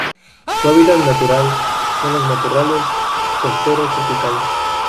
Su hábitat natural son los matorrales costeros tropicales.